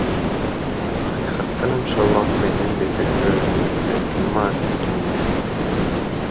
Hakykatdanam şo wagt menden beter özüni ýitiren kim bardy bu dünýede?